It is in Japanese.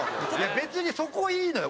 別にそこいいのよ！